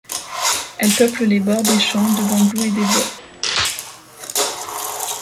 Elle peuple les bords des champs de bambous et des bois.